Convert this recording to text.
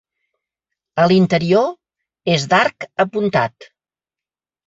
A l'interior és d'arc apuntat.